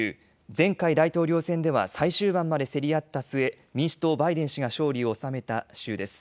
前回、大統領選では最終盤まで競り合った末、民主党バイデン氏が勝利を収めた州です。